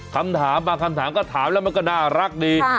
คำถามบางคำถามก็ถามแล้วมันก็น่ารักดี